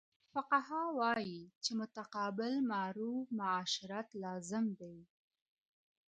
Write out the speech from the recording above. فقهاء وايي، چي متقابل معروف معاشرت لازم دی